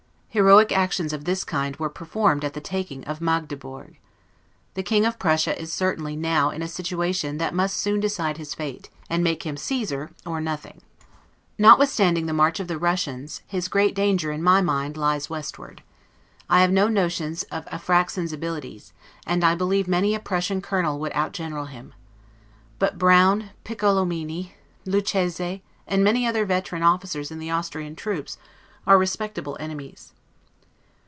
Heroic actions of this kind were performed at the taking of Magdebourg. The King of Prussia is certainly now in a situation that must soon decide his fate, and make him Caesar or nothing. Notwithstanding the march of the Russians, his great danger, in my mind, lies westward. I have no great notions of Apraxin's abilities, and I believe many a Prussian colonel would out general him. But Brown, Piccolomini, Lucchese, and many other veteran officers in the Austrian troops, are respectable enemies.